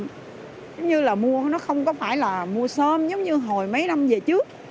giống như là mua nó không phải là mua sớm giống như hồi mấy năm về trước